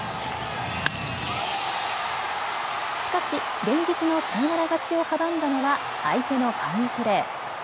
しかし連日のサヨナラ勝ちを阻んだのは相手のファインプレー。